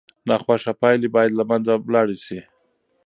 ناخوښه پایلې باید له منځه لاړې سي.